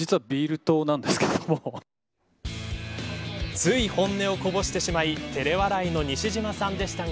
つい本音をこぼしてしまい照れ笑いの西島さんでしたが。